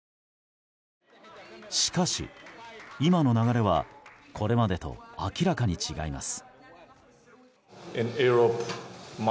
しかし、今の流れはこれまでと明らかに違います。